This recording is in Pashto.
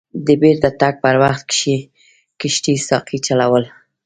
د بیرته تګ پر وخت کښتۍ ساقي چلول.